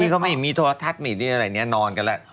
ที่เขามีโทรทัศน์มีอะไรนี้นอนกันแล้ว